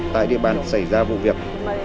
tại địa bàn xảy ra vụ việc